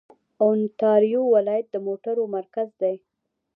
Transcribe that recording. اونټاریو ولایت د موټرو مرکز دی.